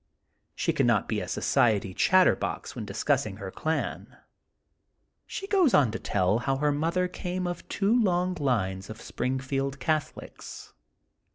She cannot be a society chatterbox when discussing her clan. She goes on to tell how her mother came of two long lines of Springfield Catholics.